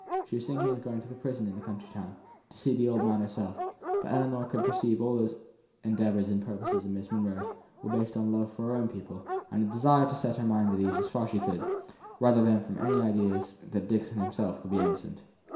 She was thinking of going to the prison in the county town, to see the old man herself, but Ellinor could perceive that all these endeavours and purposes of Miss Monro's were based on love for her own pupil, and a desire to set her mind at ease as far as she could, rather than from any idea that Dixon himself could be innocent.